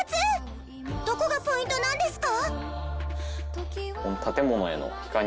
どこがポイントなんですか？